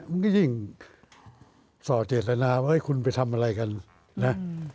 มันก็ยิ่งส่อเจตนาว่าคุณไปทำอะไรกันนะ